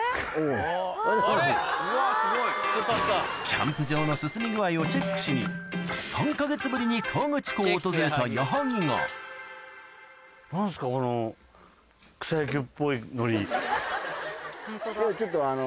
キャンプ場の進み具合をチェックしに３か月ぶりに河口湖を訪れた矢作がちょっとあの。